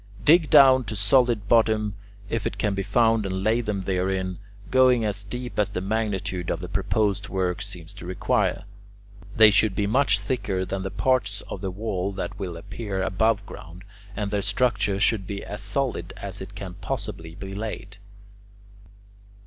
Dig down to solid bottom, if it can be found, and lay them therein, going as deep as the magnitude of the proposed work seems to require. They should be much thicker than the part of the walls that will appear above ground, and their structure should be as solid as it can possibly be laid.